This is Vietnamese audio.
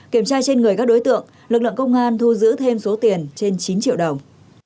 kiểm tra trên người các đối tượng lực lượng công an thu giữ thêm số tiền trên chín triệu đồng